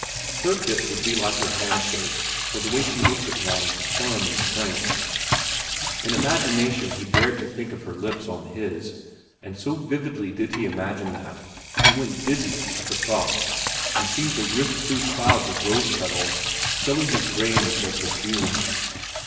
Her kiss would be like her hand shake or the way she looked at one, firm and frank. In imagination he dared to think of her lips on his, and so vividly did he imagine that he went dizzy at the thought and seemed to rift through clouds of rose petals, filling his brain with their perfume.